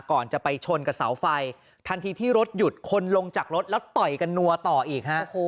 ก่อนจะไปชนกับเสาไฟทันทีที่รถหยุดคนลงจากรถแล้วต่อยกันนัวต่ออีกฮะ